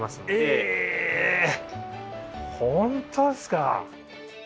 え本当ですか。